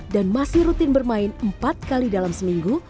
dan masih rutin bermain empat kali dalam seminggu